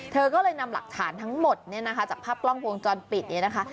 เธอก็เลยนำหลักฐานทั้งหมดเนี่ยนะคะจากภาพกล้องวงจรปิดเนี่ยนะคะ